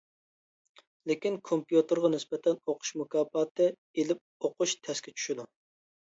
لېكىن، كومپيۇتېرغا نىسبەتەن ئوقۇش مۇكاپاتىنى ئېلىپ ئوقۇش تەسكە چۈشىدۇ.